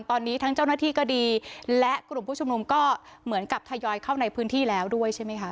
ตอนนี้ทั้งเจ้าหน้าที่ก็ดีและกลุ่มผู้ชุมนุมก็เหมือนกับทยอยเข้าในพื้นที่แล้วด้วยใช่ไหมคะ